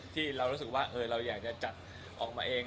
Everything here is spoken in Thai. ที่เรารู้สึกว่าเราอยากจะจัดออกมาเอง